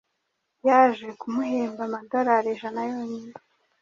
yaje kumuhemba amadolari ijana yonyine